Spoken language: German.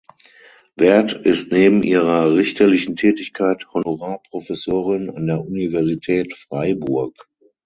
Werth ist neben ihrer richterlichen Tätigkeit Honorarprofessorin an der Universität Freiburg.